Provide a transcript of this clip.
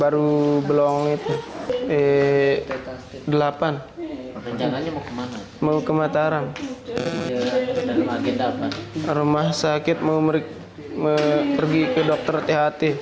rumah sakit mau pergi ke dokter tht